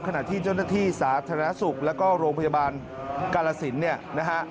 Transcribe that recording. ขณะที่เจ้าหน้าที่สาธารณสุขแล้วก็โรงพยาบาลกาลสินเนี่ยนะฮะ